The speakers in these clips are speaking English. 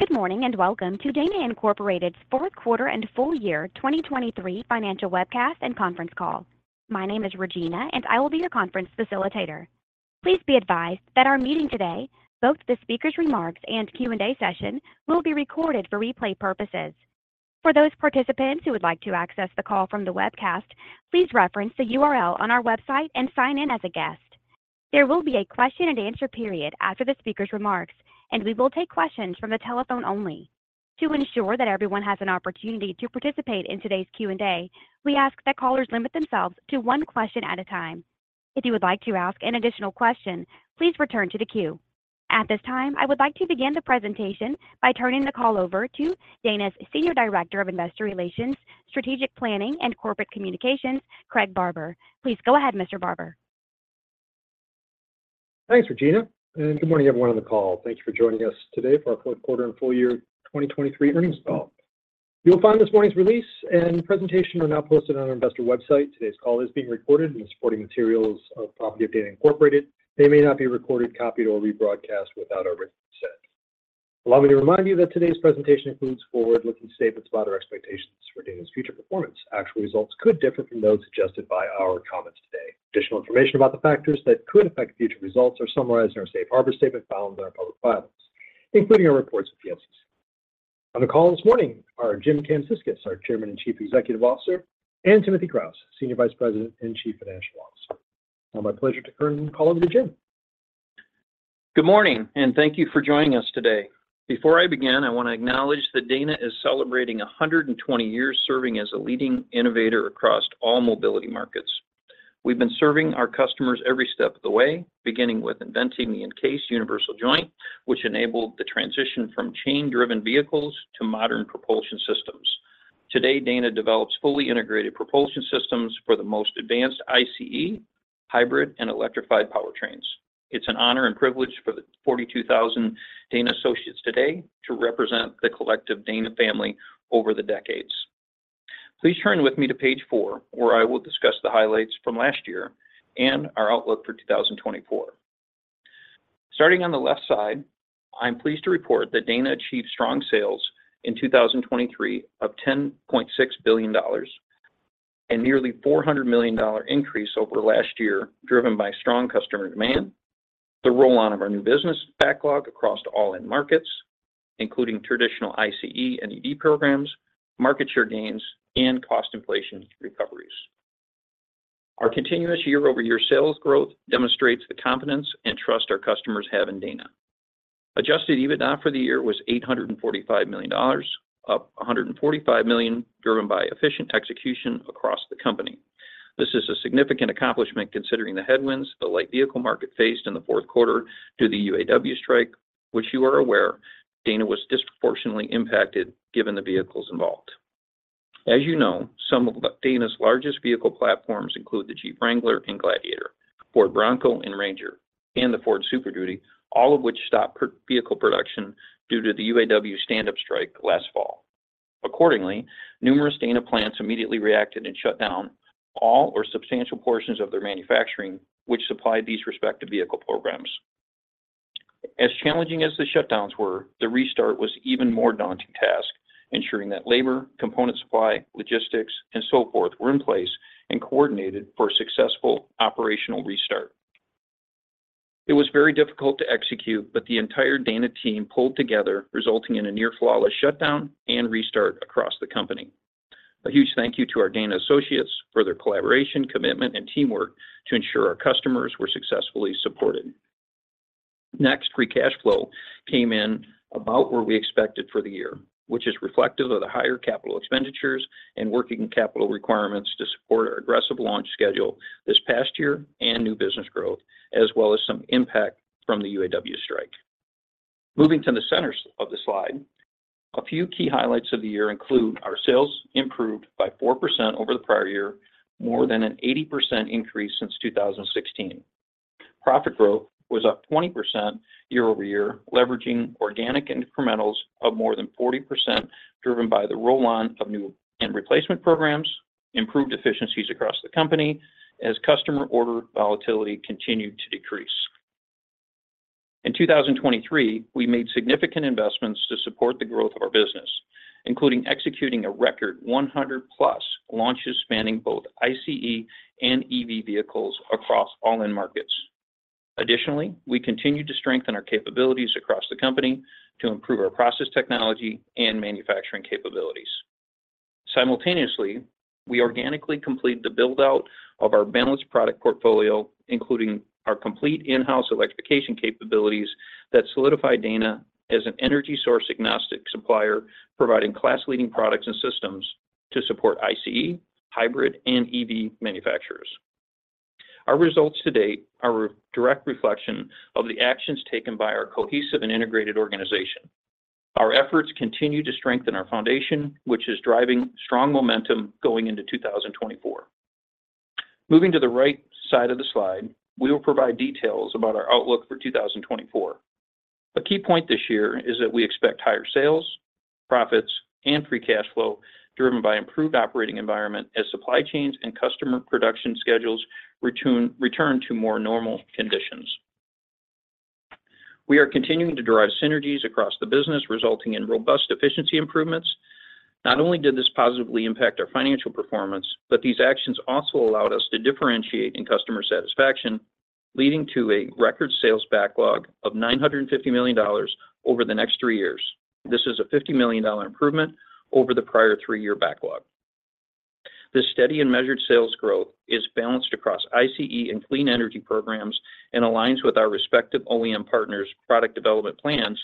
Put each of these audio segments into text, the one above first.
Good morning and welcome to Dana Incorporated's Fourth Quarter and Full Year 2023 Financial Webcast and Conference Call. My name is Regina, and I will be your conference facilitator. Please be advised that our meeting today, both the speaker's remarks and Q&A session, will be recorded for replay purposes. For those participants who would like to access the call from the webcast, please reference the URL on our website and sign in as a guest. There will be a question-and-answer period after the speaker's remarks, and we will take questions from the telephone only. To ensure that everyone has an opportunity to participate in today's Q&A, we ask that callers limit themselves to one question at a time. If you would like to ask an additional question, please return to the queue. At this time, I would like to begin the presentation by turning the call over to Dana's Senior Director of Investor Relations, Strategic Planning, and Corporate Communications, Craig Barber. Please go ahead, Mr. Barber. Thanks, Regina, and good morning everyone on the call. Thank you for joining us today for our fourth quarter and full year 2023 earnings call. You'll find this morning's release and presentation are now posted on our Investor website. Today's call is being recorded, and the supporting materials of Dana Incorporated may not be recorded, copied, or rebroadcast without our written consent. Allow me to remind you that today's presentation includes forward-looking statements about our expectations for Dana's future performance. Actual results could differ from those suggested by our comments today. Additional information about the factors that could affect future results are summarized in our Safe Harbor Statement found in our public filings, including our reports with the SEC. On the call this morning are Jim Kamsickas, our Chairman and Chief Executive Officer, and Timothy Kraus, Senior Vice President and Chief Financial Officer. It's now my pleasure to turn the call over to Jim. Good morning, and thank you for joining us today. Before I begin, I want to acknowledge that Dana is celebrating 120 years serving as a leading innovator across all mobility markets. We've been serving our customers every step of the way, beginning with inventing the encased universal joint, which enabled the transition from chain-driven vehicles to modern propulsion systems. Today, Dana develops fully integrated propulsion systems for the most advanced ICE, hybrid, and electrified powertrains. It's an honor and privilege for the 42,000 Dana associates today to represent the collective Dana family over the decades. Please turn with me to page four, where I will discuss the highlights from last year and our outlook for 2024. Starting on the left side, I'm pleased to report that Dana achieved strong sales in 2023 of $10.6 billion, a nearly $400 million increase over last year driven by strong customer demand, the roll-on of our new business backlog across all end markets, including traditional ICE and EV programs, market share gains, and cost inflation recoveries. Our continuous year-over-year sales growth demonstrates the confidence and trust our customers have in Dana. Adjusted EBITDA for the year was $845 million, up $145 million driven by efficient execution across the company. This is a significant accomplishment considering the headwinds the Light Vehicle market faced in the fourth quarter due to the UAW strike, which you are aware, Dana was disproportionately impacted given the vehicles involved. As you know, some of Dana's largest vehicle platforms include the Jeep Wrangler and Gladiator, Ford Bronco and Ranger, and the Ford Super Duty, all of which stopped vehicle production due to the UAW stand-up strike last fall. Accordingly, numerous Dana plants immediately reacted and shut down all or substantial portions of their manufacturing, which supplied these respective vehicle programs. As challenging as the shutdowns were, the restart was even more daunting task, ensuring that labor, component supply, logistics, and so forth were in place and coordinated for a successful operational restart. It was very difficult to execute, but the entire Dana team pulled together, resulting in a near-flawless shutdown and restart across the company. A huge thank you to our Dana associates for their collaboration, commitment, and teamwork to ensure our customers were successfully supported. Next, free cash flow came in about where we expected for the year, which is reflective of the higher capital expenditures and working capital requirements to support our aggressive launch schedule this past year and new business growth, as well as some impact from the UAW strike. Moving to the center of the slide, a few key highlights of the year include our sales improved by 4% over the prior year, more than an 80% increase since 2016. Profit growth was up 20% year-over-year, leveraging organic incrementals of more than 40% driven by the roll-on of new and replacement programs, improved efficiencies across the company, as customer order volatility continued to decrease. In 2023, we made significant investments to support the growth of our business, including executing a record 100+ launches spanning both ICE and EV vehicles across all end markets. Additionally, we continue to strengthen our capabilities across the company to improve our process technology and manufacturing capabilities. Simultaneously, we organically complete the build-out of our balanced product portfolio, including our complete in-house electrification capabilities that solidify Dana as an energy source agnostic supplier, providing class-leading products and systems to support ICE, hybrid, and EV manufacturers. Our results to date are a direct reflection of the actions taken by our cohesive and integrated organization. Our efforts continue to strengthen our foundation, which is driving strong momentum going into 2024. Moving to the right side of the slide, we will provide details about our outlook for 2024. A key point this year is that we expect higher sales, profits, and free cash flow driven by improved operating environment as supply chains and customer production schedules return to more normal conditions. We are continuing to derive synergies across the business, resulting in robust efficiency improvements. Not only did this positively impact our financial performance, but these actions also allowed us to differentiate in customer satisfaction, leading to a record sales backlog of $950 million over the next three years. This is a $50 million improvement over the prior three-year backlog. This steady and measured sales growth is balanced across ICE and clean energy programs and aligns with our respective OEM partners' product development plans,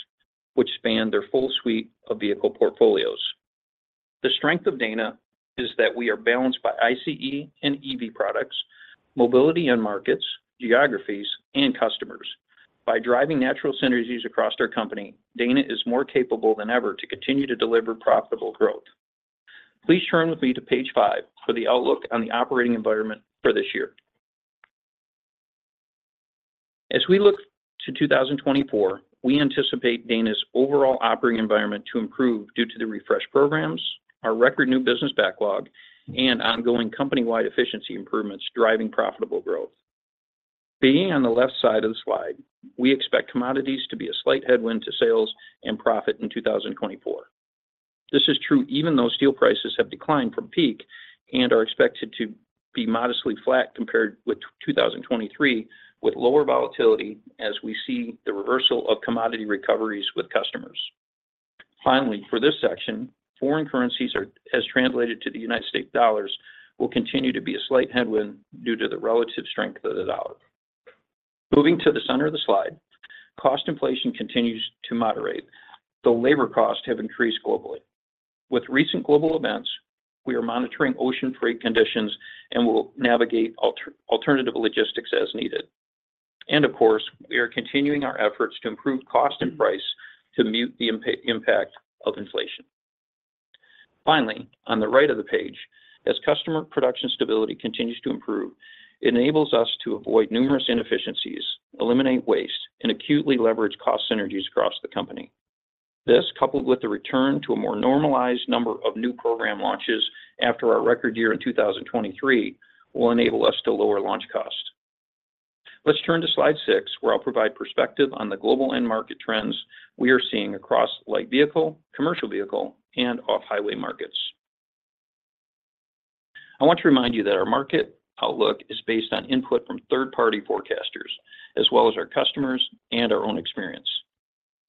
which span their full suite of vehicle portfolios. The strength of Dana is that we are balanced by ICE and EV products, mobility and markets, geographies, and customers. By driving natural synergies across our company, Dana is more capable than ever to continue to deliver profitable growth. Please turn with me to page five for the outlook on the operating environment for this year. As we look to 2024, we anticipate Dana's overall operating environment to improve due to the refresh programs, our record new business backlog, and ongoing company-wide efficiency improvements driving profitable growth. Being on the left side of the slide, we expect commodities to be a slight headwind to sales and profit in 2024. This is true even though steel prices have declined from peak and are expected to be modestly flat compared with 2023, with lower volatility as we see the reversal of commodity recoveries with customers. Finally, for this section, foreign currencies, as translated to the United States dollars, will continue to be a slight headwind due to the relative strength of the dollar. Moving to the center of the slide, cost inflation continues to moderate. Though labor costs have increased globally, with recent global events, we are monitoring ocean freight conditions and will navigate alternative logistics as needed. Of course, we are continuing our efforts to improve cost and price to mute the impact of inflation. Finally, on the right of the page, as customer production stability continues to improve, it enables us to avoid numerous inefficiencies, eliminate waste, and acutely leverage cost synergies across the company. This, coupled with the return to a more normalized number of new program launches after our record year in 2023, will enable us to lower launch costs. Let's turn to slide six, where I'll provide perspective on the global end market trends we are seeing across Light Vehicle, Commercial Vehicle, and Off-Highway markets. I want to remind you that our market outlook is based on input from third-party forecasters, as well as our customers and our own experience.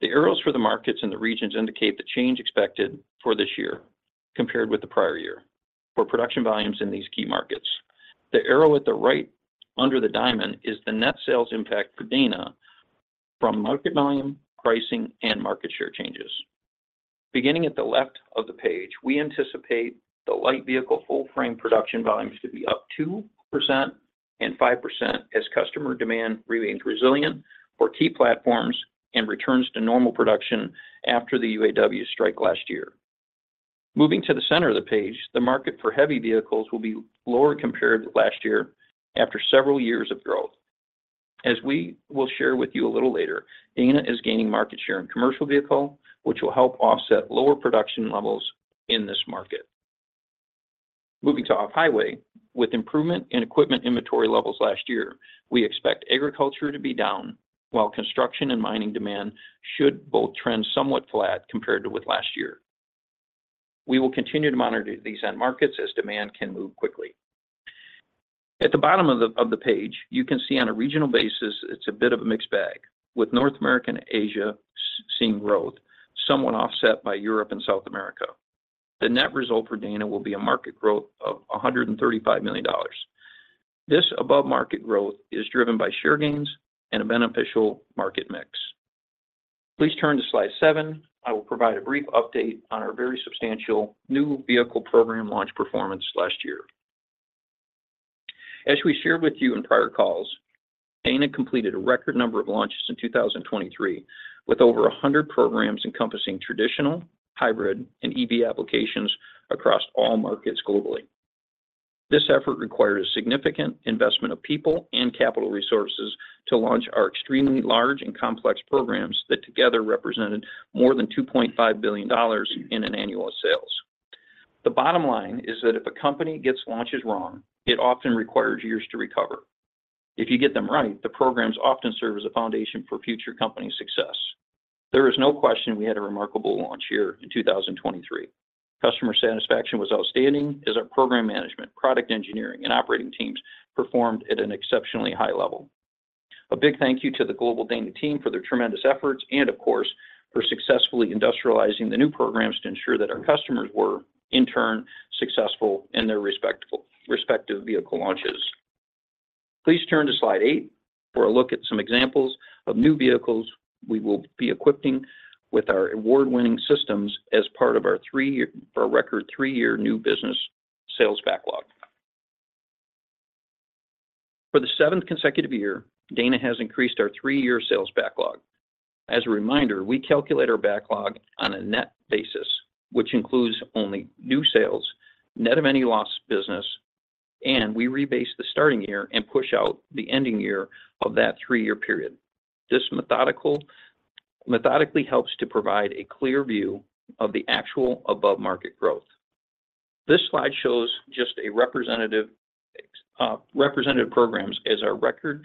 The arrows for the markets in the regions indicate the change expected for this year compared with the prior year for production volumes in these key markets. The arrow at the right under the diamond is the net sales impact for Dana from market volume, pricing, and market share changes. Beginning at the left of the page, we anticipate the Light Vehicle full-frame production volumes to be up 2% and 5% as customer demand remains resilient for key platforms and returns to normal production after the UAW strike last year. Moving to the center of the page, the market for Heavy Vehicles will be lower compared to last year after several years of growth. As we will share with you a little later, Dana is gaining market share in Commercial Vehicle, which will help offset lower production levels in this market. Moving to Off-Highway, with improvement in equipment inventory levels last year, we expect agriculture to be down while construction and mining demand should both trend somewhat flat compared with last year. We will continue to monitor these end markets as demand can move quickly. At the bottom of the page, you can see on a regional basis, it's a bit of a mixed bag, with North America and Asia seeing growth, somewhat offset by Europe and South America. The net result for Dana will be a market growth of $135 million. This above-market growth is driven by share gains and a beneficial market mix. Please turn to slide seven. I will provide a brief update on our very substantial new vehicle program launch performance last year. As we shared with you in prior calls, Dana completed a record number of launches in 2023 with over 100 programs encompassing traditional, hybrid, and EV applications across all markets globally. This effort required a significant investment of people and capital resources to launch our extremely large and complex programs that together represented more than $2.5 billion in annual sales. The bottom line is that if a company gets launches wrong, it often requires years to recover. If you get them right, the programs often serve as a foundation for future company success. There is no question we had a remarkable launch year in 2023. Customer satisfaction was outstanding as our program management, product engineering, and operating teams performed at an exceptionally high level. A big thank you to the global Dana team for their tremendous efforts and, of course, for successfully industrializing the new programs to ensure that our customers were, in turn, successful in their respective vehicle launches. Please turn to slide eight for a look at some examples of new vehicles we will be equipping with our award-winning systems as part of our record three-year new business sales backlog. For the seventh consecutive year, Dana has increased our three-year sales backlog. As a reminder, we calculate our backlog on a net basis, which includes only new sales, net of any lost business, and we rebase the starting year and push out the ending year of that three-year period. This methodically helps to provide a clear view of the actual above-market growth. This slide shows just representative programs as our record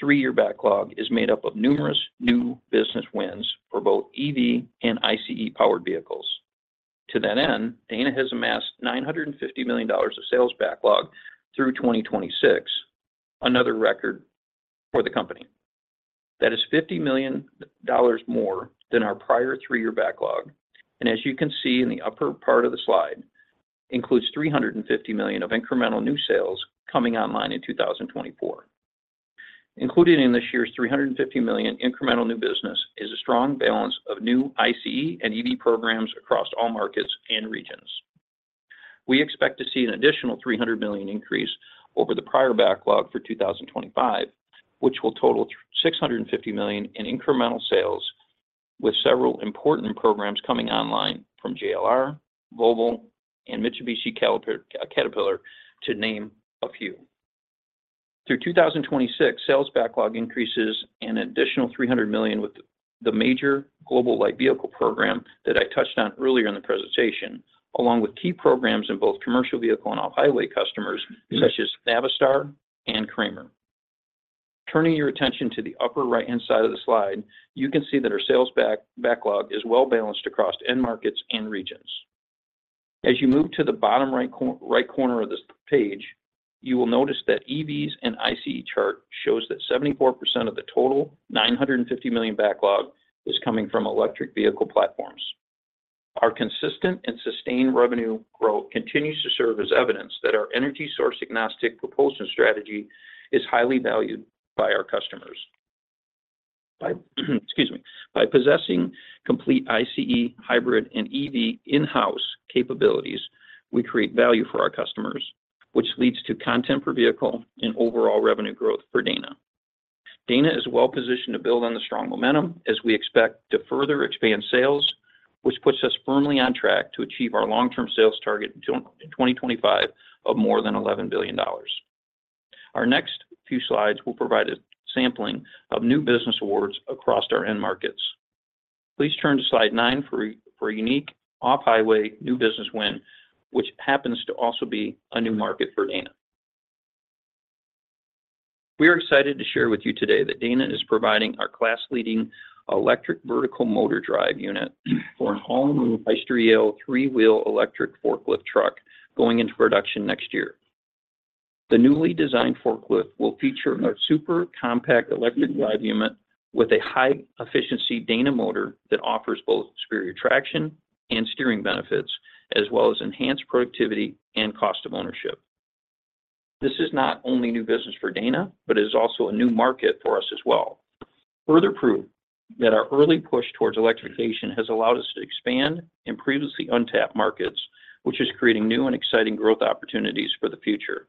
three-year backlog is made up of numerous new business wins for both EV and ICE-powered vehicles. To that end, Dana has amassed $950 million of sales backlog through 2026, another record for the company. That is $50 million more than our prior three-year backlog, and as you can see in the upper part of the slide, includes $350 million of incremental new sales coming online in 2024. Included in this year's $350 million incremental new business is a strong balance of new ICE and EV programs across all markets and regions. We expect to see an additional $300 million increase over the prior backlog for 2025, which will total $650 million in incremental sales with several important programs coming online from JLR, Volvo, and Mitsubishi Caterpillar, to name a few. Through 2026, sales backlog increases an additional $300 million with the major global Light Vehicle program that I touched on earlier in the presentation, along with key programs in both Commercial Vehicle and Off-Highway customers such as Navistar and Kramer. Turning your attention to the upper right-hand side of the slide, you can see that our sales backlog is well balanced across end markets and regions. As you move to the bottom right corner of this page, you will notice that EVs and ICE chart shows that 74% of the total $950 million backlog is coming from electric vehicle platforms. Our consistent and sustained revenue growth continues to serve as evidence that our energy source agnostic propulsion strategy is highly valued by our customers. Excuse me. By possessing complete ICE, hybrid, and EV in-house capabilities, we create value for our customers, which leads to content per vehicle and overall revenue growth for Dana. Dana is well positioned to build on the strong momentum as we expect to further expand sales, which puts us firmly on track to achieve our long-term sales target in 2025 of more than $11 billion. Our next few slides will provide a sampling of new business awards across our end markets. Please turn to slide nine for a unique Off-Highway new business win, which happens to also be a new market for Dana. We are excited to share with you today that Dana is providing our class-leading electric vertical motor drive unit for an all-new Hyster-Yale three-wheel electric forklift truck going into production next year. The newly designed forklift will feature a super compact electric drive unit with a high-efficiency Dana motor that offers both superior traction and steering benefits, as well as enhanced productivity and cost of ownership. This is not only new business for Dana, but it is also a new market for us as well. Further proof that our early push towards electrification has allowed us to expand in previously untapped markets, which is creating new and exciting growth opportunities for the future.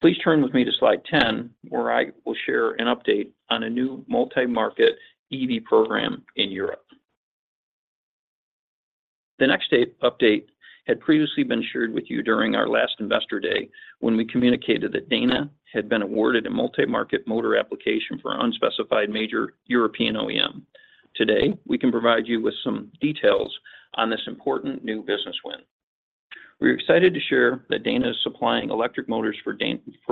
Please turn with me to slide 10, where I will share an update on a new multi-market EV program in Europe. The next update had previously been shared with you during our last investor day when we communicated that Dana had been awarded a multi-market motor application for an unspecified major European OEM. Today, we can provide you with some details on this important new business win. We are excited to share that Dana is supplying electric motors for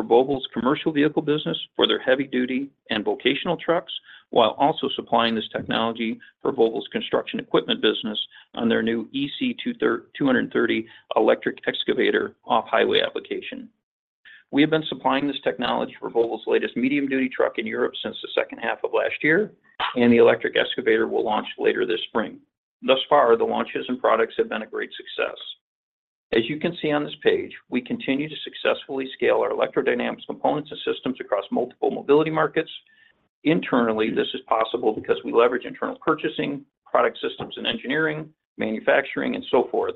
Volvo's Commercial Vehicle business for their heavy-duty and vocational trucks, while also supplying this technology for Volvo's construction equipment business on their new EC230 Electric excavator Off-Highway application. We have been supplying this technology for Volvo's latest medium-duty truck in Europe since the second half of last year, and the electric excavator will launch later this spring. Thus far, the launches and products have been a great success. As you can see on this page, we continue to successfully scale our electrodynamic components and systems across multiple mobility markets. Internally, this is possible because we leverage internal purchasing, product systems and engineering, manufacturing, and so forth,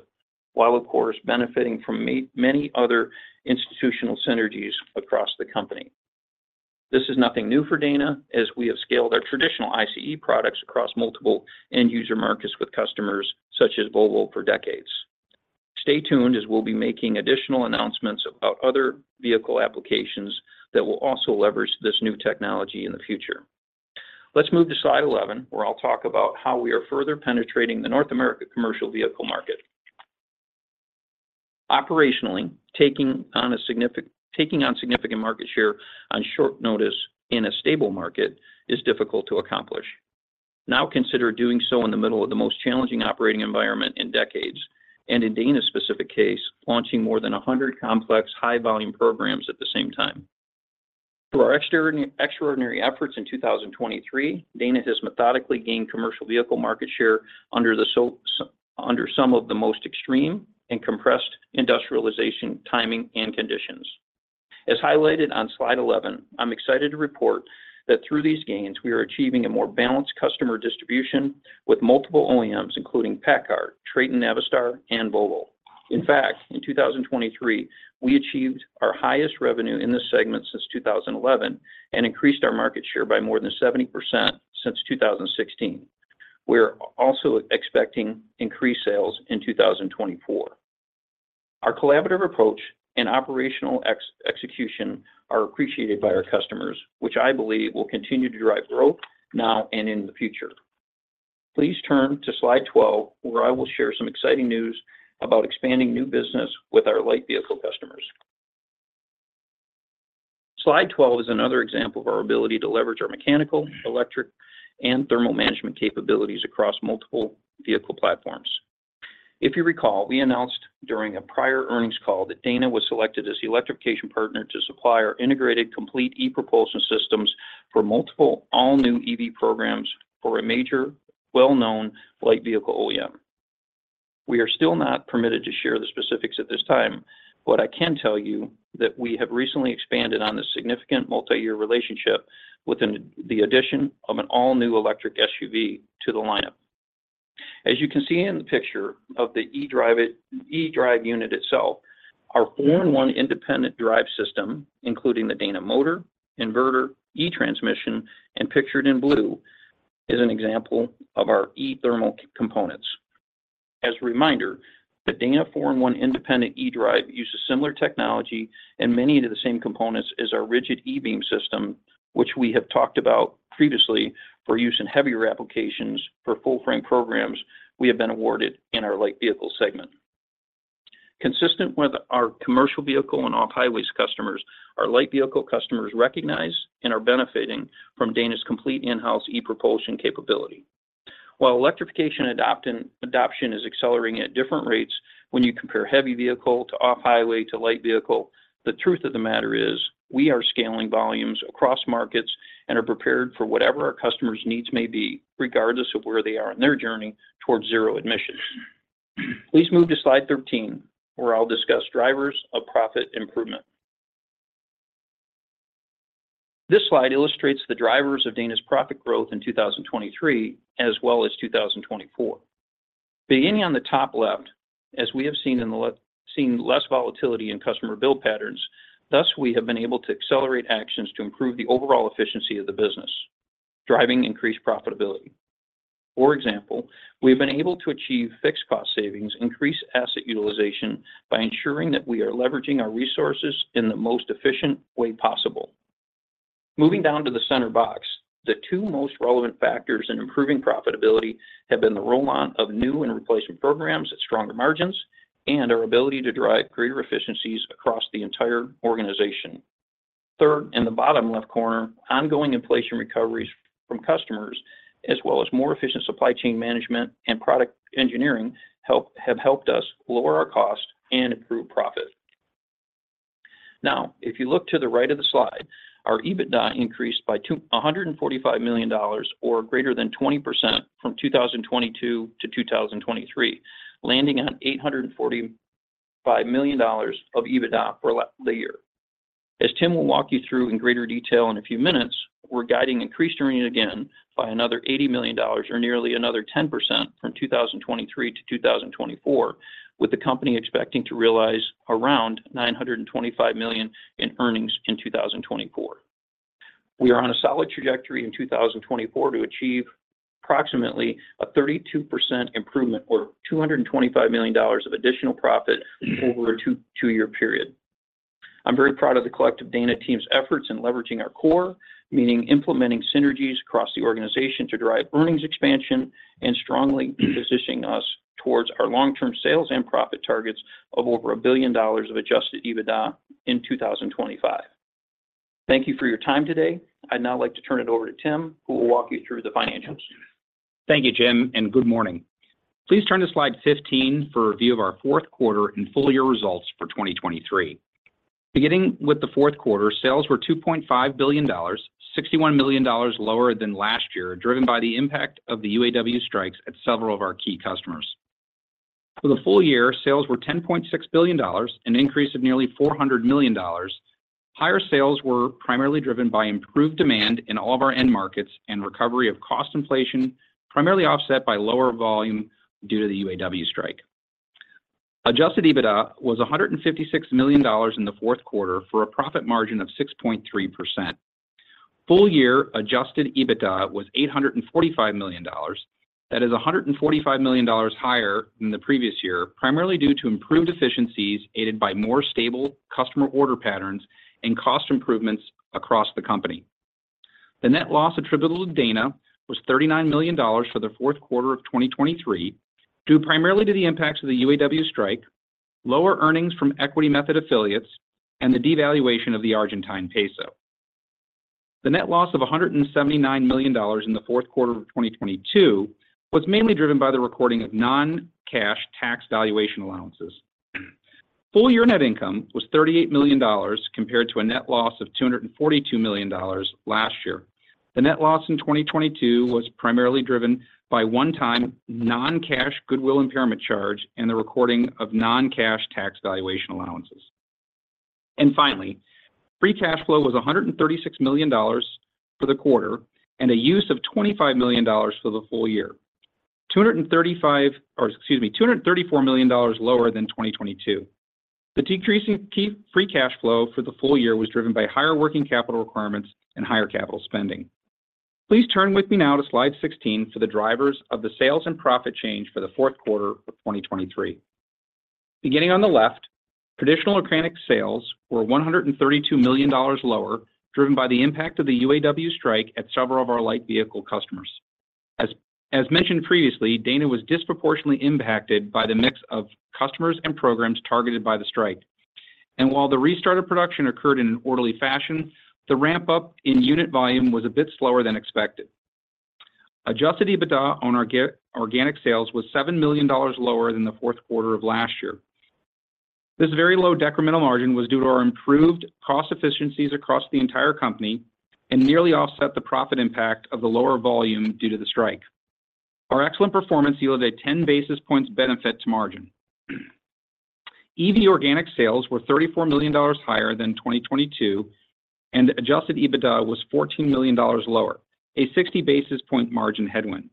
while, of course, benefiting from many other institutional synergies across the company. This is nothing new for Dana, as we have scaled our traditional ICE products across multiple end-user markets with customers such as Volvo for decades. Stay tuned as we'll be making additional announcements about other vehicle applications that will also leverage this new technology in the future. Let's move to slide 11, where I'll talk about how we are further penetrating the North America Commercial Vehicle market. Operationally, taking on significant market share on short notice in a stable market is difficult to accomplish. Now consider doing so in the middle of the most challenging operating environment in decades and, in Dana's specific case, launching more than 100 complex high-volume programs at the same time. Through our extraordinary efforts in 2023, Dana has methodically gained Commercial Vehicle market share under some of the most extreme and compressed industrialization timing and conditions. As highlighted on slide 11, I'm excited to report that through these gains, we are achieving a more balanced customer distribution with multiple OEMs, including PACCAR, Traton, Navistar, and Volvo. In fact, in 2023, we achieved our highest revenue in this segment since 2011 and increased our market share by more than 70% since 2016. We are also expecting increased sales in 2024. Our collaborative approach and operational execution are appreciated by our customers, which I believe will continue to drive growth now and in the future. Please turn to slide 12, where I will share some exciting news about expanding new business with our Light Vehicle customers. Slide 12 is another example of our ability to leverage our mechanical, electric, and thermal management capabilities across multiple vehicle platforms. If you recall, we announced during a prior earnings call that Dana was selected as the electrification partner to supply our integrated complete e-propulsion systems for multiple all-new EV programs for a major well-known Light Vehicle OEM. We are still not permitted to share the specifics at this time, but I can tell you that we have recently expanded on this significant multi-year relationship with the addition of an all-new electric SUV to the lineup. As you can see in the picture of the e-Drive Unit itself, our four-in-one independent drive system, including the Dana motor, inverter, e-transmission, and pictured in blue, is an example of our e-thermal components. As a reminder, the Dana Four-in-One Independent e-Drive uses similar technology and many of the same components as our rigid e-Beam system, which we have talked about previously for use in heavier applications for full-frame programs we have been awarded in our Light Vehicle segment. Consistent with our Commercial Vehicle and Off-Highway customers, our Light Vehicle customers recognize and are benefiting from Dana's complete in-house e-propulsion capability. While electrification adoption is accelerating at different rates when you compare heavy vehicle to Off-Highway to Light Vehicle, the truth of the matter is we are scaling volumes across markets and are prepared for whatever our customers' needs may be, regardless of where they are in their journey towards zero emissions. Please move to slide 13, where I'll discuss drivers of profit improvement. This slide illustrates the drivers of Dana's profit growth in 2023 as well as 2024. Beginning on the top left, as we have seen less volatility in customer build patterns, thus we have been able to accelerate actions to improve the overall efficiency of the business, driving increased profitability. For example, we have been able to achieve fixed cost savings, increased asset utilization by ensuring that we are leveraging our resources in the most efficient way possible. Moving down to the center box, the two most relevant factors in improving profitability have been the roll-on of new and replacement programs at stronger margins and our ability to drive greater efficiencies across the entire organization. Third, in the bottom left corner, ongoing inflation recoveries from customers, as well as more efficient supply chain management and product engineering, have helped us lower our cost and improve profit. Now, if you look to the right of the slide, our EBITDA increased by $145 million or greater than 20% from 2022 to 2023, landing on $845 million of EBITDA for the year. As Tim will walk you through in greater detail in a few minutes, we're guiding increased earnings again by another $80 million or nearly another 10% from 2023 to 2024, with the company expecting to realize around $925 million in earnings in 2024. We are on a solid trajectory in 2024 to achieve approximately a 32% improvement or $225 million of additional profit over a two-year period. I'm very proud of the collective Dana team's efforts in leveraging our core, meaning implementing synergies across the organization to drive earnings expansion and strongly positioning us towards our long-term sales and profit targets of over a billion dollars of Adjusted EBITDA in 2025. Thank you for your time today. I'd now like to turn it over to Tim, who will walk you through the financials. Thank you, Jim, and good morning. Please turn to slide 15 for a view of our fourth quarter and full-year results for 2023. Beginning with the fourth quarter, sales were $2.5 billion, $61 million lower than last year, driven by the impact of the UAW strikes at several of our key customers. For the full year, sales were $10.6 billion, an increase of nearly $400 million. Higher sales were primarily driven by improved demand in all of our end markets and recovery of cost inflation, primarily offset by lower volume due to the UAW strike. Adjusted EBITDA was $156 million in the fourth quarter for a profit margin of 6.3%. Full-year Adjusted EBITDA was $845 million. That is $145 million higher than the previous year, primarily due to improved efficiencies aided by more stable customer order patterns and cost improvements across the company. The net loss attributed to Dana was $39 million for the fourth quarter of 2023, due primarily to the impacts of the UAW strike, lower earnings from equity method affiliates, and the devaluation of the Argentine peso. The net loss of $179 million in the fourth quarter of 2022 was mainly driven by the recording of non-cash tax valuation allowances. Full-year net income was $38 million compared to a net loss of $242 million last year. The net loss in 2022 was primarily driven by one-time non-cash goodwill impairment charge and the recording of non-cash tax valuation allowances. Finally, free cash flow was $136 million for the quarter and a use of $25 million for the full year, or excuse me, $234 million lower than 2022. The decreasing free cash flow for the full year was driven by higher working capital requirements and higher capital spending. Please turn with me now to slide 16 for the drivers of the sales and profit change for the fourth quarter of 2023. Beginning on the left, traditional mechanical sales were $132 million lower, driven by the impact of the UAW strike at several of our Light Vehicle customers. As mentioned previously, Dana was disproportionately impacted by the mix of customers and programs targeted by the strike. While the restart of production occurred in an orderly fashion, the ramp-up in unit volume was a bit slower than expected. Adjusted EBITDA on our organic sales was $7 million lower than the fourth quarter of last year. This very low decremental margin was due to our improved cost efficiencies across the entire company and nearly offset the profit impact of the lower volume due to the strike. Our excellent performance yielded a 10 basis points benefit to margin. EV organic sales were $34 million higher than 2022, and Adjusted EBITDA was $14 million lower, a 60 basis point margin headwind.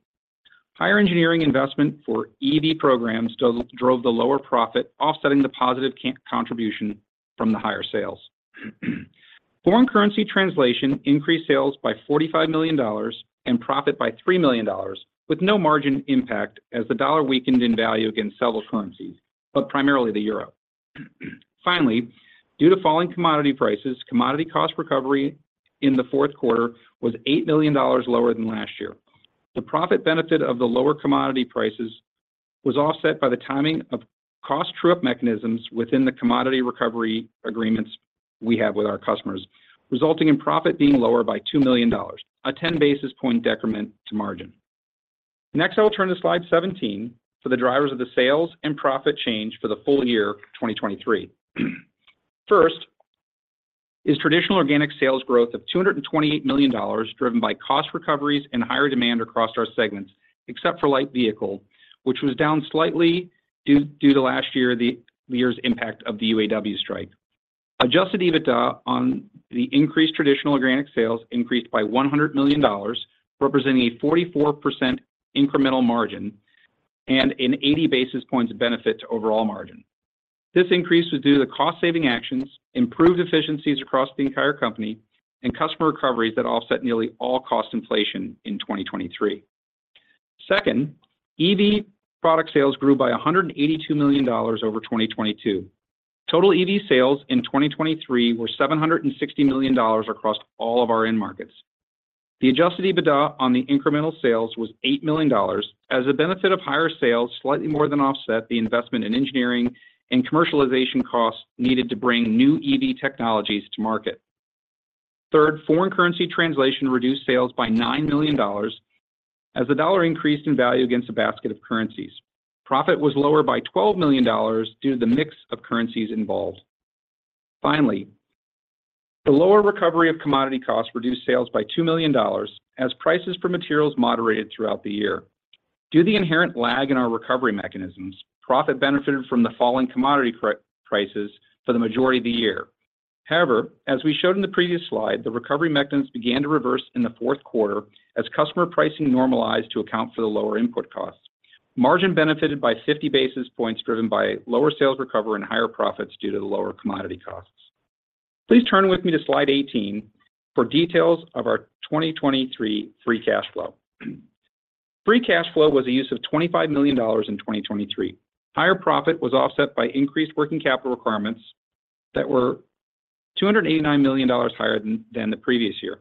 Higher engineering investment for EV programs drove the lower profit, offsetting the positive contribution from the higher sales. Foreign currency translation increased sales by $45 million and profit by $3 million, with no margin impact as the dollar weakened in value against several currencies, but primarily the euro. Finally, due to falling commodity prices, commodity cost recovery in the fourth quarter was $8 million lower than last year. The profit benefit of the lower commodity prices was offset by the timing of cost true-up mechanisms within the commodity recovery agreements we have with our customers, resulting in profit being lower by $2 million, a 10 basis point decrement to margin. Next, I will turn to slide 17 for the drivers of the sales and profit change for the full year 2023. First is traditional organic sales growth of $228 million, driven by cost recoveries and higher demand across our segments, except for Light Vehicle, which was down slightly due to last year's impact of the UAW strike. Adjusted EBITDA on the increased traditional organic sales increased by $100 million, representing a 44% incremental margin and an 80 basis points benefit to overall margin. This increase was due to the cost-saving actions, improved efficiencies across the entire company, and customer recoveries that offset nearly all cost inflation in 2023. Second, EV product sales grew by $182 million over 2022. Total EV sales in 2023 were $760 million across all of our end markets. The Adjusted EBITDA on the incremental sales was $8 million, as the benefit of higher sales slightly more than offset the investment in engineering and commercialization costs needed to bring new EV technologies to market. Third, foreign currency translation reduced sales by $9 million, as the dollar increased in value against a basket of currencies. Profit was lower by $12 million due to the mix of currencies involved. Finally, the lower recovery of commodity costs reduced sales by $2 million as prices for materials moderated throughout the year. Due to the inherent lag in our recovery mechanisms, profit benefited from the falling commodity prices for the majority of the year. However, as we showed in the previous slide, the recovery mechanisms began to reverse in the fourth quarter as customer pricing normalized to account for the lower input costs. Margin benefited by 50 basis points driven by lower sales recovery and higher profits due to the lower commodity costs. Please turn with me to slide 18 for details of our 2023 free cash flow. Free cash flow was a use of $25 million in 2023. Higher profit was offset by increased working capital requirements that were $289 million higher than the previous year.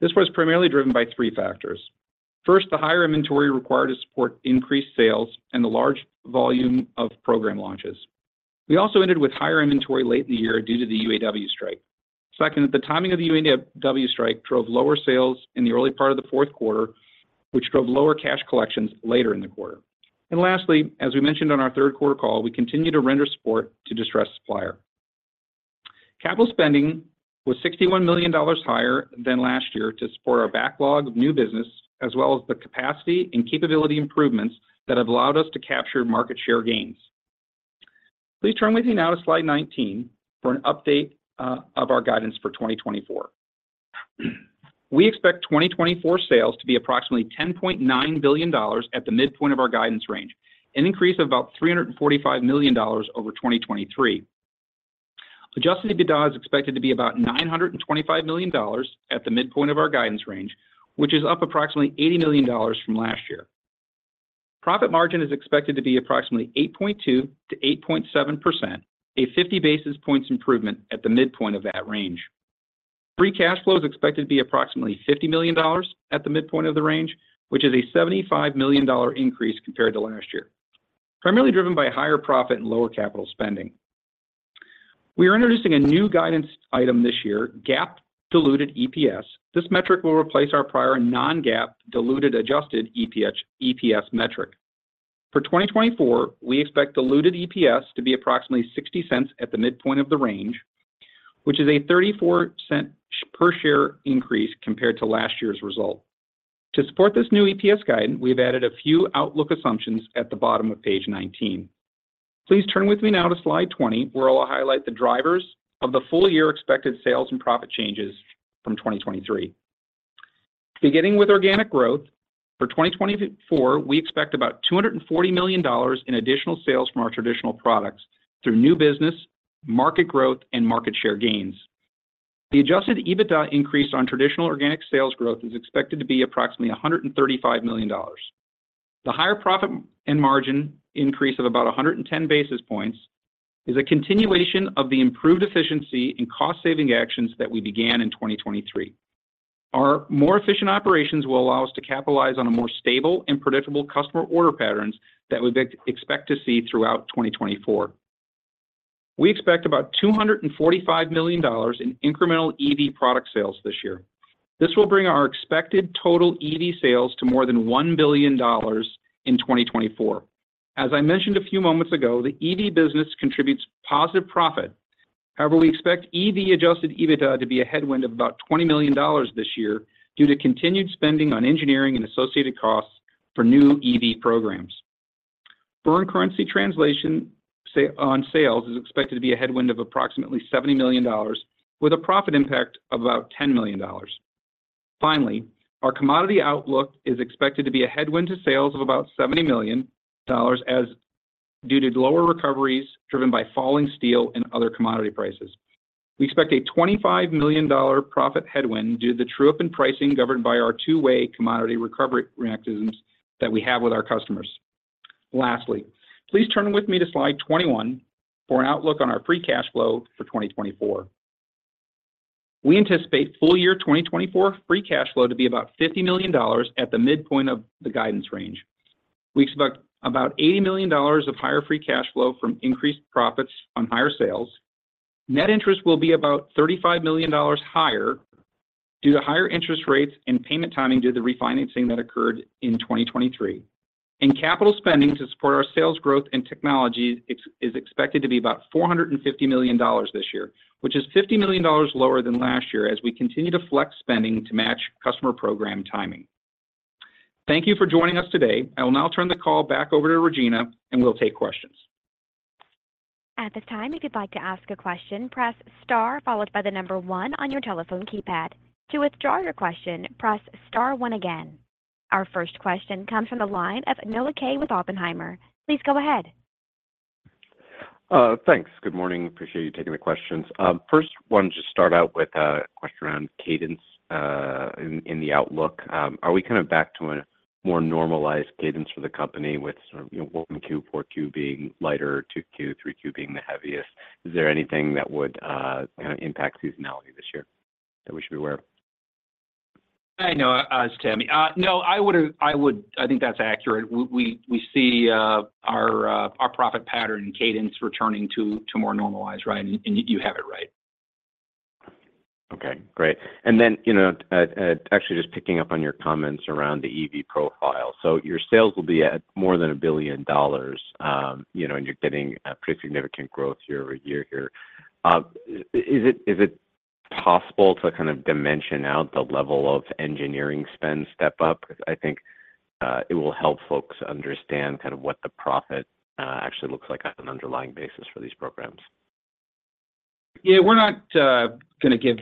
This was primarily driven by three factors. First, the higher inventory required to support increased sales and the large volume of program launches. We also ended with higher inventory late in the year due to the UAW strike. Second, the timing of the UAW strike drove lower sales in the early part of the fourth quarter, which drove lower cash collections later in the quarter. Lastly, as we mentioned on our third quarter call, we continue to render support to distressed supplier. Capital spending was $61 million higher than last year to support our backlog of new business, as well as the capacity and capability improvements that have allowed us to capture market share gains. Please turn with me now to slide 19 for an update of our guidance for 2024. We expect 2024 sales to be approximately $10.9 billion at the midpoint of our guidance range, an increase of about $345 million over 2023. Adjusted EBITDA is expected to be about $925 million at the midpoint of our guidance range, which is up approximately $80 million from last year. Profit margin is expected to be approximately 8.2%-8.7%, a 50 basis points improvement at the midpoint of that range. Free cash flow is expected to be approximately $50 million at the midpoint of the range, which is a $75 million increase compared to last year, primarily driven by higher profit and lower capital spending. We are introducing a new guidance item this year, GAAP Diluted EPS. This metric will replace our prior non-GAAP Diluted Adjusted EPS metric. For 2024, we expect Diluted EPS to be approximately $0.60 at the midpoint of the range, which is a $0.34 per share increase compared to last year's result. To support this new EPS guidance, we've added a few outlook assumptions at the bottom of page 19. Please turn with me now to slide 20, where I'll highlight the drivers of the full-year expected sales and profit changes from 2023. Beginning with organic growth, for 2024, we expect about $240 million in additional sales from our traditional products through new business, market growth, and market share gains. The Adjusted EBITDA increase on traditional organic sales growth is expected to be approximately $135 million. The higher profit and margin increase of about 110 basis points is a continuation of the improved efficiency and cost-saving actions that we began in 2023. Our more efficient operations will allow us to capitalize on more stable and predictable customer order patterns that we expect to see throughout 2024. We expect about $245 million in incremental EV product sales this year. This will bring our expected total EV sales to more than $1 billion in 2024. As I mentioned a few moments ago, the EV business contributes positive profit. However, we expect EV Adjusted EBITDA to be a headwind of about $20 million this year due to continued spending on engineering and associated costs for new EV programs. Foreign currency translation on sales is expected to be a headwind of approximately $70 million, with a profit impact of about $10 million. Finally, our commodity outlook is expected to be a headwind to sales of about $70 million due to lower recoveries driven by falling steel and other commodity prices. We expect a $25 million profit headwind due to the true-up and pricing governed by our two-way commodity recovery mechanisms that we have with our customers. Lastly, please turn with me to slide 21 for an outlook on our free cash flow for 2024. We anticipate full-year 2024 free cash flow to be about $50 million at the midpoint of the guidance range. We expect about $80 million of higher free cash flow from increased profits on higher sales. Net interest will be about $35 million higher due to higher interest rates and payment timing due to the refinancing that occurred in 2023. Capital spending to support our sales growth and technology is expected to be about $450 million this year, which is $50 million lower than last year as we continue to flex spending to match customer program timing. Thank you for joining us today. I will now turn the call back over to Regina, and we'll take questions. At this time, if you'd like to ask a question, press star followed by the number one on your telephone keypad. To withdraw your question, press star one again. Our first question comes from the line of Noah Kaye with Oppenheimer. Please go ahead. Thanks. Good morning. Appreciate you taking the questions. First, I want to just start out with a question around cadence in the outlook. Are we kind of back to a more normalized cadence for the company, with 1Q, 4Q being lighter, 2Q, 3Q being the heaviest? Is there anything that would kind of impact seasonality this year that we should be aware of? Hi, Noah. It's Tim. No, I think that's accurate. We see our profit pattern and cadence returning to more normalized, right? And you have it right. Okay. Great. And then actually just picking up on your comments around the EV profile. So your sales will be at more than $1 billion, and you're getting pretty significant growth year-over-year here. Is it possible to kind of dimension out the level of engineering spend step up? Because I think it will help folks understand kind of what the profit actually looks like on an underlying basis for these programs. Yeah. We're not going to give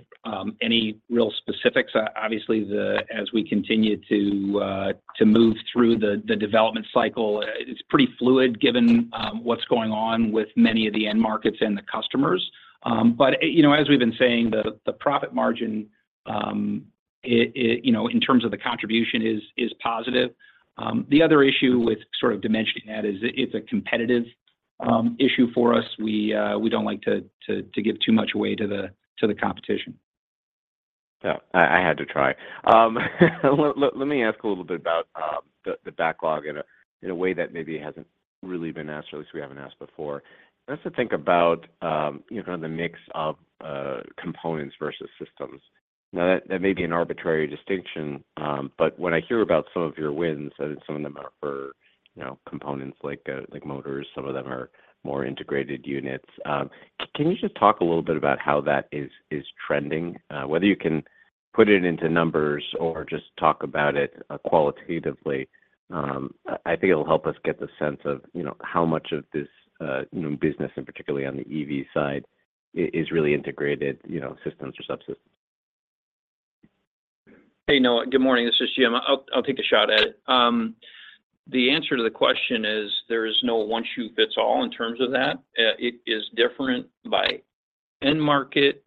any real specifics. Obviously, as we continue to move through the development cycle, it's pretty fluid given what's going on with many of the end markets and the customers. But as we've been saying, the profit margin, in terms of the contribution, is positive. The other issue with sort of dimensioning that is it's a competitive issue for us. We don't like to give too much away to the competition. Yeah. I had to try. Let me ask a little bit about the backlog in a way that maybe hasn't really been asked, or at least we haven't asked before. I'd like to think about kind of the mix of components versus systems. Now, that may be an arbitrary distinction, but when I hear about some of your wins, some of them are for components like motors. Some of them are more integrated units. Can you just talk a little bit about how that is trending, whether you can put it into numbers or just talk about it qualitatively? I think it'll help us get the sense of how much of this business, and particularly on the EV side, is really integrated systems or subsystems. Hey, Noah. Good morning. This is Jim. I'll take a shot at it. The answer to the question is there is no one-shoe-fits-all in terms of that. It is different by end market,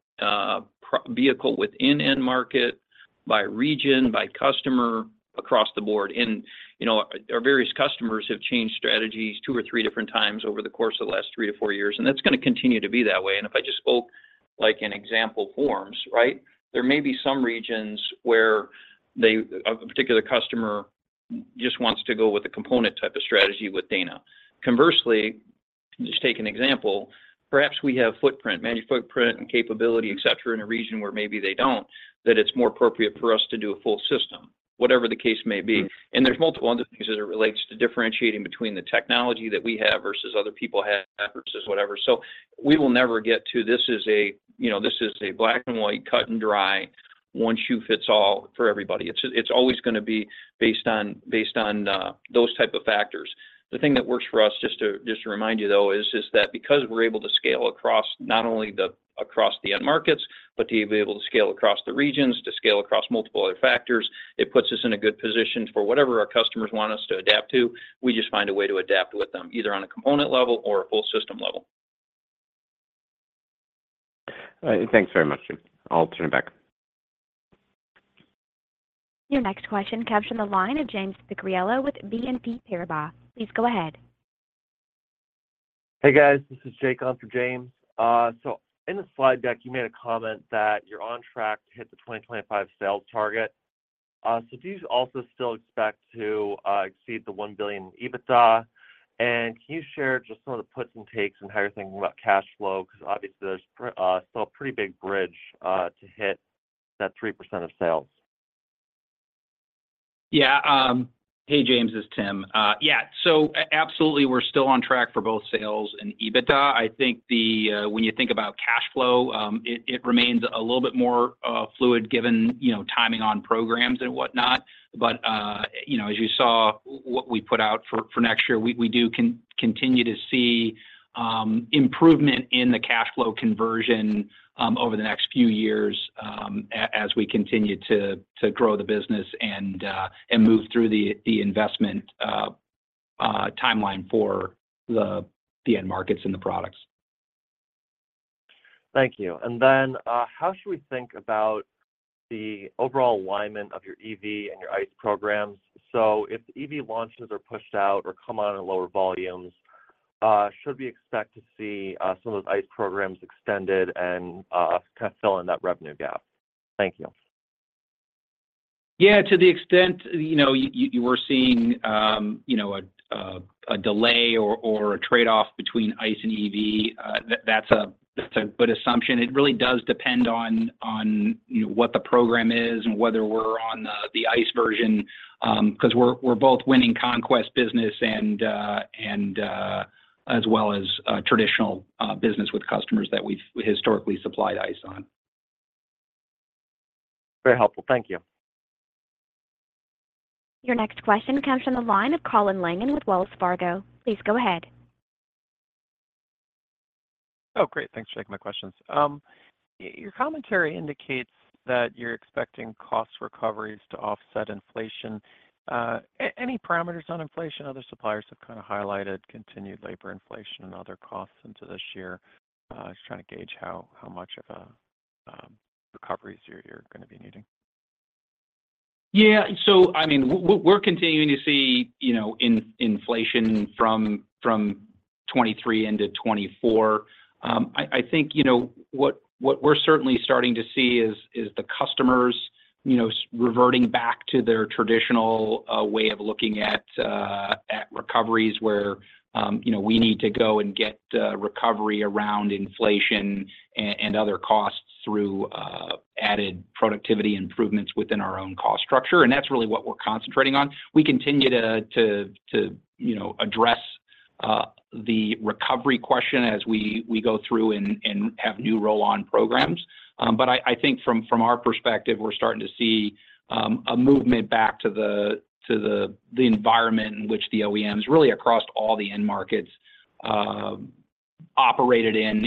vehicle within end market, by region, by customer, across the board. And our various customers have changed strategies two or three different times over the course of the last three to four years, and that's going to continue to be that way. And if I just spoke like in example forms, right, there may be some regions where a particular customer just wants to go with a component type of strategy with Dana. Conversely, just take an example. Perhaps we have footprint, manual footprint, and capability, etc., in a region where maybe they don't, that it's more appropriate for us to do a full system, whatever the case may be. There's multiple other things as it relates to differentiating between the technology that we have versus other people have versus whatever. We will never get to, "This is a black-and-white, cut-and-dried, one-size-fits-all for everybody." It's always going to be based on those type of factors. The thing that works for us, just to remind you, though, is that because we're able to scale across not only the end markets, but to be able to scale across the regions, to scale across multiple other factors, it puts us in a good position for whatever our customers want us to adapt to. We just find a way to adapt with them, either on a component level or a full system level. All right. Thanks very much, Jim. I'll turn it back. Your next question captured on the line of James Picariello with BNP Paribas. Please go ahead. Hey, guys. This is Jacob for James. So in the slide deck, you made a comment that you're on track to hit the 2025 sales target. So do you also still expect to exceed the $1 billion EBITDA? And can you share just some of the puts and takes and how you're thinking about cash flow? Because obviously, there's still a pretty big bridge to hit that 3% of sales. Yeah. Hey, James. This is Tim. Yeah. So absolutely, we're still on track for both sales and EBITDA. I think when you think about cash flow, it remains a little bit more fluid given timing on programs and whatnot. But as you saw what we put out for next year, we do continue to see improvement in the cash flow conversion over the next few years as we continue to grow the business and move through the investment timeline for the end markets and the products. Thank you. Then how should we think about the overall alignment of your EV and your ICE programs? If the EV launches are pushed out or come on at lower volumes, should we expect to see some of those ICE programs extended and kind of fill in that revenue gap? Thank you. Yeah. To the extent you were seeing a delay or a trade-off between ICE and EV, that's a good assumption. It really does depend on what the program is and whether we're on the ICE version because we're both winning conquest business as well as traditional business with customers that we've historically supplied ICE on. Very helpful. Thank you. Your next question comes from the line of Colin Langan with Wells Fargo. Please go ahead. Oh, great. Thanks for taking my questions. Your commentary indicates that you're expecting cost recoveries to offset inflation. Any parameters on inflation? Other suppliers have kind of highlighted continued labor inflation and other costs into this year. Just trying to gauge how much of a recovery you're going to be needing. Yeah. So I mean, we're continuing to see inflation from 2023 into 2024. I think what we're certainly starting to see is the customers reverting back to their traditional way of looking at recoveries where we need to go and get recovery around inflation and other costs through added productivity improvements within our own cost structure. And that's really what we're concentrating on. We continue to address the recovery question as we go through and have new roll-on programs. But I think from our perspective, we're starting to see a movement back to the environment in which the OEMs, really across all the end markets, operated in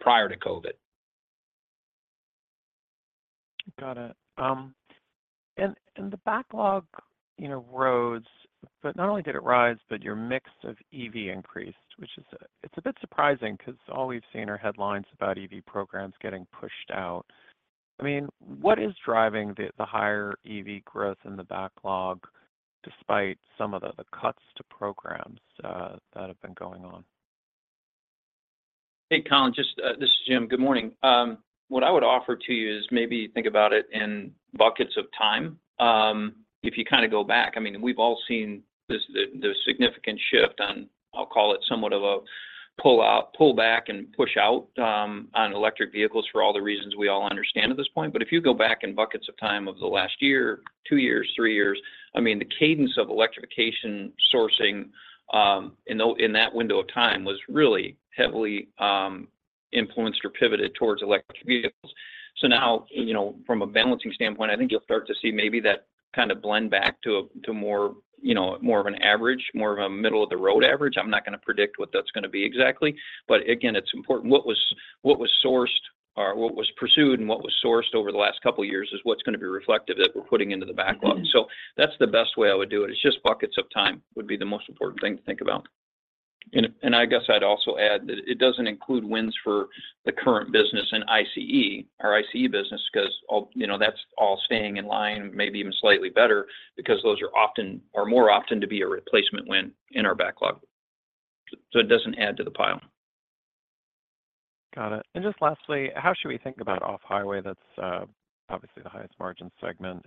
prior to COVID. Got it. And the backlog rose, but not only did it rise, but your mix of EV increased, which is a bit surprising because all we've seen are headlines about EV programs getting pushed out. I mean, what is driving the higher EV growth in the backlog despite some of the cuts to programs that have been going on? Hey, Colin. This is Jim. Good morning. What I would offer to you is maybe think about it in buckets of time if you kind of go back. I mean, we've all seen the significant shift on, I'll call it, somewhat of a pullback and push out on electric vehicles for all the reasons we all understand at this point. But if you go back in buckets of time of the last year, two years, three years, I mean, the cadence of electrification sourcing in that window of time was really heavily influenced or pivoted towards electric vehicles. So now, from a balancing standpoint, I think you'll start to see maybe that kind of blend back to more of an average, more of a middle-of-the-road average. I'm not going to predict what that's going to be exactly. But again, it's important. What was sourced or what was pursued and what was sourced over the last couple of years is what's going to be reflective that we're putting into the backlog. So that's the best way I would do it. It's just buckets of time would be the most important thing to think about. And I guess I'd also add that it doesn't include wins for the current business in ICE, our ICE business, because that's all staying in line, maybe even slightly better, because those are more often to be a replacement win in our backlog. So it doesn't add to the pile. Got it. And just lastly, how should we think about Off-Highway? That's obviously the highest margin segment.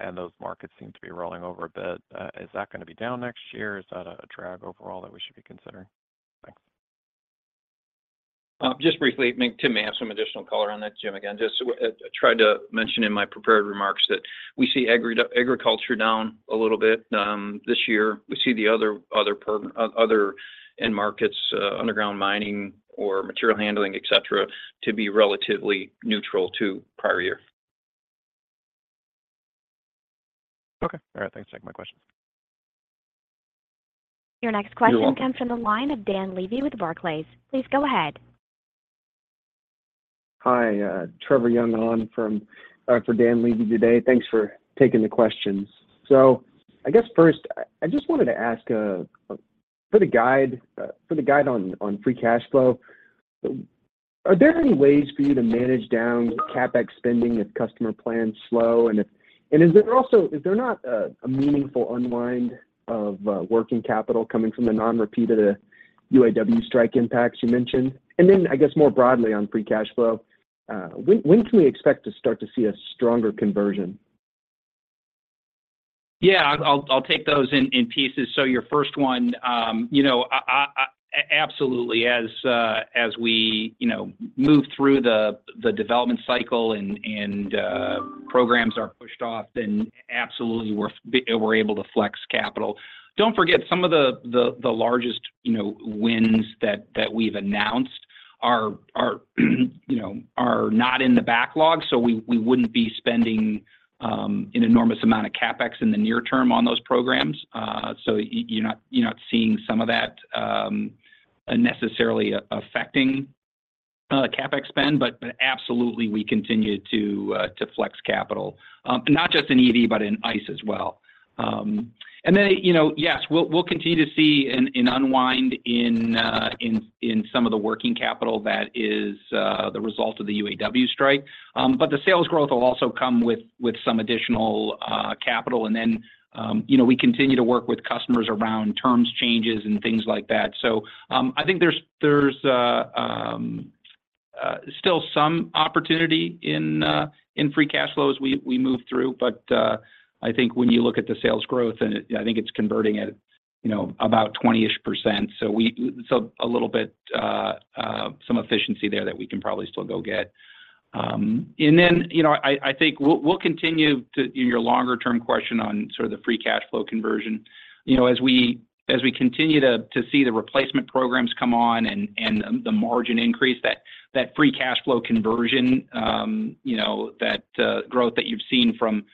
And those markets seem to be rolling over a bit. Is that going to be down next year? Is that a drag overall that we should be considering? Thanks. Just briefly, Tim, may I have some additional color on that, Jim? Again, just tried to mention in my prepared remarks that we see agriculture down a little bit this year. We see the other end markets, underground mining or material handling, etc., to be relatively neutral to prior year. Okay. All right. Thanks for taking my questions. Your next question comes from the line of Dan Levy with Barclays. Please go ahead. Hi, Trevor Young on for Dan Levy today. Thanks for taking the questions. So I guess first, I just wanted to ask for the guide on free cash flow. Are there any ways for you to manage down CapEx spending if customer plans slow? And is there not a meaningful unwind of working capital coming from the non-repeated UAW strike impacts you mentioned? And then, I guess, more broadly on free cash flow, when can we expect to start to see a stronger conversion? Yeah. I'll take those in pieces. So your first one, absolutely, as we move through the development cycle and programs are pushed off, then absolutely, we're able to flex capital. Don't forget, some of the largest wins that we've announced are not in the backlog, so we wouldn't be spending an enormous amount of CapEx in the near term on those programs. So you're not seeing some of that necessarily affecting CapEx spend. But absolutely, we continue to flex capital, not just in EV, but in ICE as well. And then, yes, we'll continue to see an unwind in some of the working capital that is the result of the UAW strike. But the sales growth will also come with some additional capital. And then we continue to work with customers around terms changes and things like that. So I think there's still some opportunity in free cash flow as we move through. But I think when you look at the sales growth, I think it's converting at about 20-ish%. So a little bit, some efficiency there that we can probably still go get. And then I think we'll continue to your longer-term question on sort of the free cash flow conversion. As we continue to see the replacement programs come on and the margin increase, that free cash flow conversion, that growth that you've seen from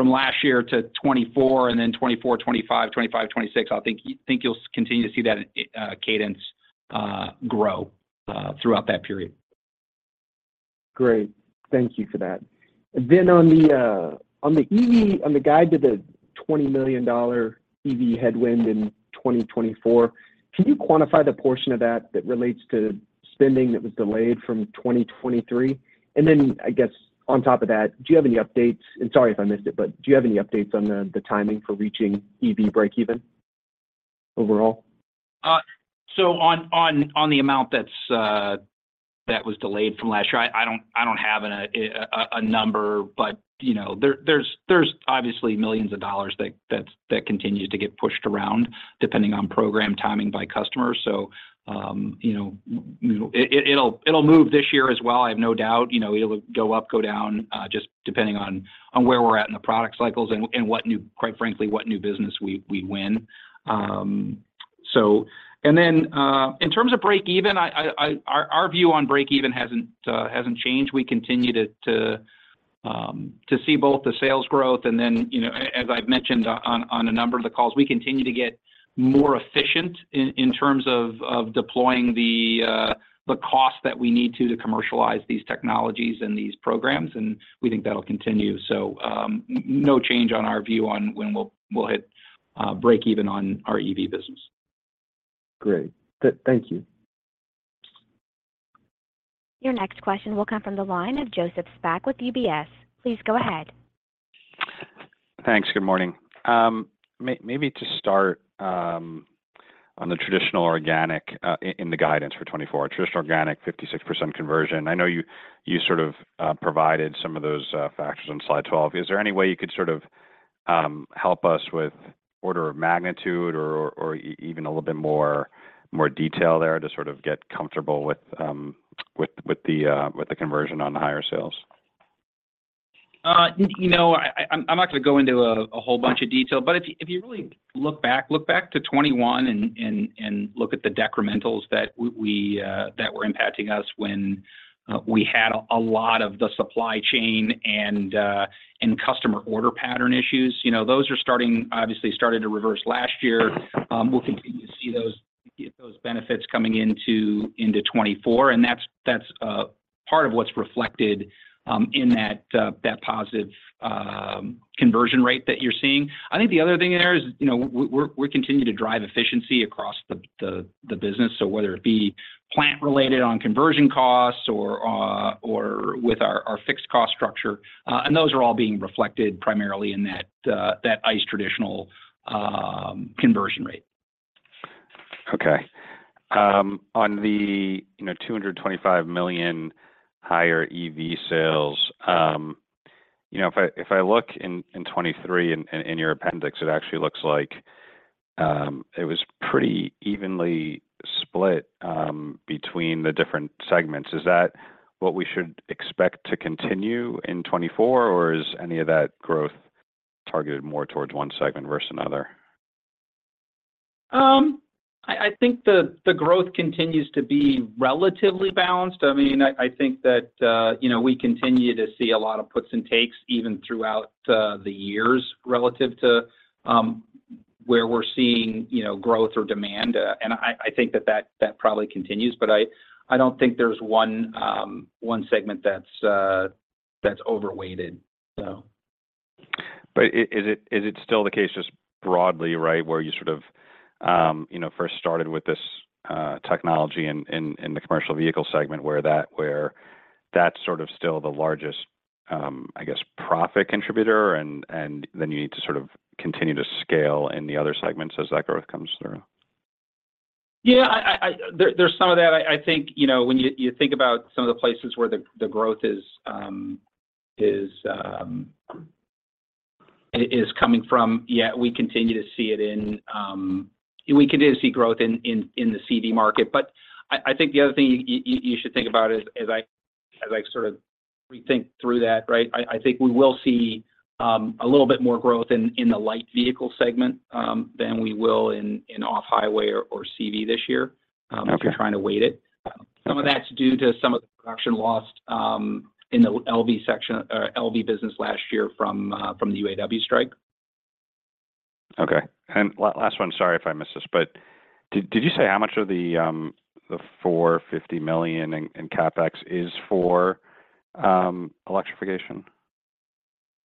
last year to 2024 and then 2024, 2025, 2025, 2026, I think you'll continue to see that cadence grow throughout that period. Great. Thank you for that. Then on the guide to the $20 million EV headwind in 2024, can you quantify the portion of that that relates to spending that was delayed from 2023? And then, I guess, on top of that, do you have any updates? And sorry if I missed it, but do you have any updates on the timing for reaching EV break-even overall? So on the amount that was delayed from last year, I don't have a number. But there's obviously millions of dollars that continues to get pushed around depending on program timing by customers. So it'll move this year as well, I have no doubt. It'll go up, go down, just depending on where we're at in the product cycles and, quite frankly, what new business we win. And then in terms of break-even, our view on break-even hasn't changed. We continue to see both the sales growth. And then, as I've mentioned on a number of the calls, we continue to get more efficient in terms of deploying the cost that we need to commercialize these technologies and these programs. And we think that'll continue. So no change on our view on when we'll hit break-even on our EV business. Great. Thank you. Your next question will come from the line of Joseph Spak with UBS. Please go ahead. Thanks. Good morning. Maybe to start on the traditional organic in the guidance for 2024, traditional organic, 56% conversion. I know you sort of provided some of those factors on slide 12. Is there any way you could sort of help us with order of magnitude or even a little bit more detail there to sort of get comfortable with the conversion on the higher sales? I'm not going to go into a whole bunch of detail. But if you really look back to 2021 and look at the decrementals that were impacting us when we had a lot of the supply chain and customer order pattern issues, those obviously started to reverse last year. We'll continue to see those benefits coming into 2024. And that's part of what's reflected in that positive conversion rate that you're seeing. I think the other thing there is we continue to drive efficiency across the business. So whether it be plant-related on conversion costs or with our fixed cost structure, and those are all being reflected primarily in that ICE traditional conversion rate. Okay. On the $225 million higher EV sales, if I look in 2023 in your appendix, it actually looks like it was pretty evenly split between the different segments. Is that what we should expect to continue in 2024, or is any of that growth targeted more towards one segment versus another? I think the growth continues to be relatively balanced. I mean, I think that we continue to see a lot of puts and takes even throughout the years relative to where we're seeing growth or demand. And I think that that probably continues. But I don't think there's one segment that's overweighted, so. Is it still the case just broadly, right, where you sort of first started with this technology in the Commercial Vehicle segment where that's sort of still the largest, I guess, profit contributor, and then you need to sort of continue to scale in the other segments as that growth comes through? Yeah. There's some of that. I think when you think about some of the places where the growth is coming from, yeah, we continue to see growth in the CV market. But I think the other thing you should think about as I sort of rethink through that, right, I think we will see a little bit more growth in the Light Vehicle segment than we will in Off-Highway or CV this year if you're trying to weight it. Some of that's due to some of the production lost in the LV section or LV business last year from the UAW strike. Okay. And last one, sorry if I missed this, but did you say how much of the $450 million in CapEx is for electrification?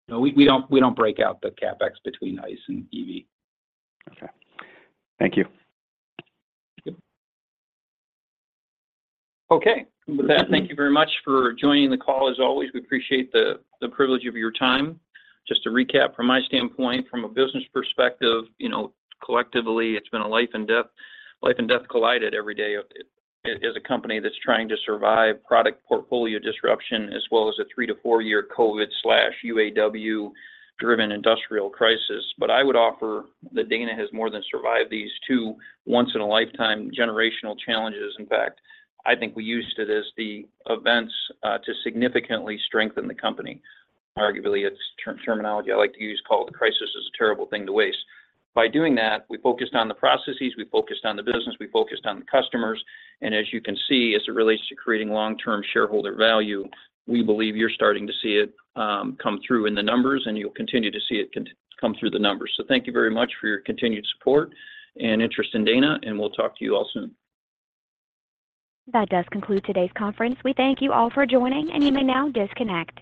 No, we don't break out the CapEx between ICE and EV. Okay. Thank you. Okay. With that, thank you very much for joining the call as always. We appreciate the privilege of your time. Just to recap from my standpoint, from a business perspective, collectively, it's been a life and death life and death collided every day as a company that's trying to survive product portfolio disruption as well as a three to four year COVID/UAW-driven industrial crisis. But I would offer that Dana has more than survived these two once-in-a-lifetime generational challenges. In fact, I think we used it as the events to significantly strengthen the company. Arguably, it's terminology I like to use called the crisis is a terrible thing to waste. By doing that, we focused on the processes. We focused on the business. We focused on the customers. As you can see, as it relates to creating long-term shareholder value, we believe you're starting to see it come through in the numbers, and you'll continue to see it come through the numbers. Thank you very much for your continued support and interest in Dana, and we'll talk to you all soon. That does conclude today's conference. We thank you all for joining, and you may now disconnect.